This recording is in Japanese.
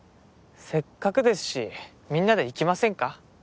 せっかくですしみんなで行きませんか？